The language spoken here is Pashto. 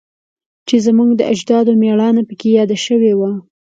چې زموږ د اجدادو میړانه پکې یاده شوی وه